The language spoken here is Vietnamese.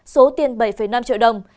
số tiền bảy năm triệu đồng